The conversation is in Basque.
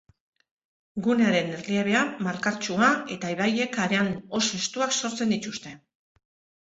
Gunearen erliebea malkartsua eta ibaiek haran oso estuak sortzen dituzte.